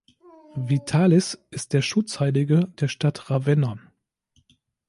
Vitalis ist der Schutzheilige der Stadt Ravenna.